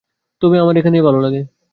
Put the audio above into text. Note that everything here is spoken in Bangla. তবে আমার এখানেই ভালো লাগে।